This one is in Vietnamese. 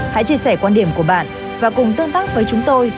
hãy chia sẻ quan điểm của bạn và cùng tương tác với chúng tôi